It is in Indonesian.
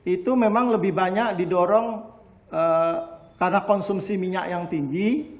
itu memang lebih banyak didorong karena konsumsi minyak yang tinggi